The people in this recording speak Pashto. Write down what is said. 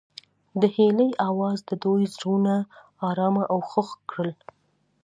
د هیلې اواز د دوی زړونه ارامه او خوښ کړل.